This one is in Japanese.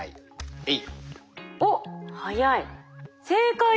えい。